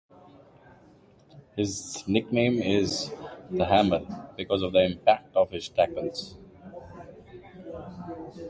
His nickname is "The Hammer," because of the impact of his tackles.